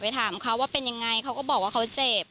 ถามเขาว่าเป็นยังไงเขาก็บอกว่าเขาเจ็บ